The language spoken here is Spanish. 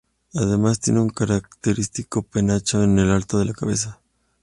Además tiene un característico penacho en lo alto de la cabeza.